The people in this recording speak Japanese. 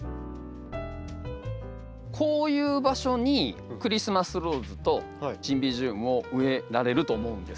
こういう場所にクリスマスローズとシンビジウムを植えられると思うんです。